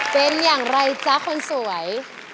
เป็นอย่างไรจ๊ะคนสวย